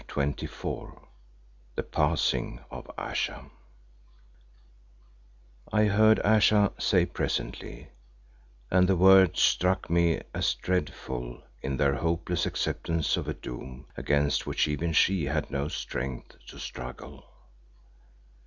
CHAPTER XXIV THE PASSING OF AYESHA I heard Ayesha say presently, and the words struck me as dreadful in their hopeless acceptance of a doom against which even she had no strength to struggle.